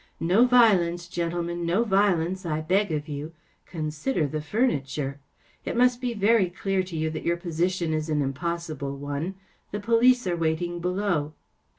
“ No violence, gentlemen‚ÄĒno violence, I beg of you ! Consider the furniture ! It must be very clear to you that your position is an impossible one. The police are waiting below.